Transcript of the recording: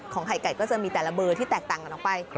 ไข่ไก่ก็จะมีแต่ละเบอร์ที่แตกต่างกันออกไป